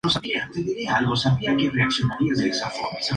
Chacabuco, la Av.